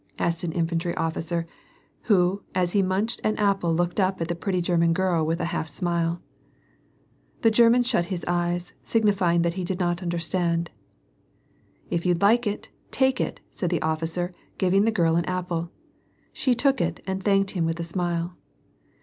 " asked an infantry ofticer, who as he mimched an apple looked up at the pretty German girl with a half smile. The German shut his eyes, signifying that he did not under stand. " If you'd like it, take it " said the officer, giving the girl an apple. She took it and thanked him with a smile.